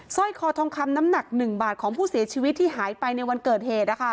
ร้อยคอทองคำน้ำหนัก๑บาทของผู้เสียชีวิตที่หายไปในวันเกิดเหตุ